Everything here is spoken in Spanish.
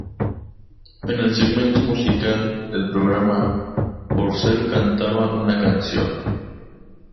En el segmento musical del programa, Porcel cantaba una canción.